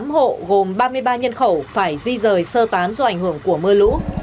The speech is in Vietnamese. tám hộ gồm ba mươi ba nhân khẩu phải di rời sơ tán do ảnh hưởng của mưa lũ